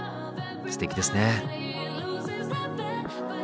すてきですね。